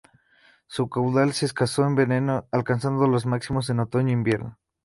Su caudal es escaso en verano, alcanzando los máximos en otoño e invierno.